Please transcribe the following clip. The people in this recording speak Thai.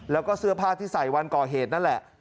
แล้วก็เสื้อผ้าที่ใส่วันก่อเหตุนั่นแหละ